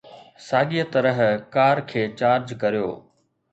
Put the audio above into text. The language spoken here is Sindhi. ساڳئي طرح ڪار کي چارج ڪريو